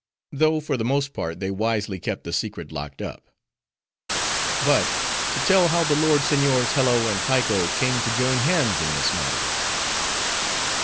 Though, for the most part, they wisely kept the secret locked up. But to tell how the lord seigniors Hello and Piko came to join hands in this matter.